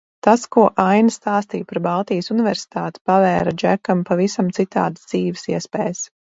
Tas, ko Aina stāstīja par Baltijas Universitāti, pavēra Džekam pavisam citādas dzīves iespējas.